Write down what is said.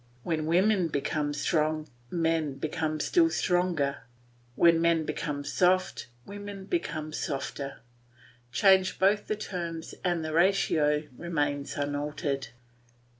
When women become strong, men become still stronger; when men become soft, women become softer; change both the terms and the ratio remains unaltered.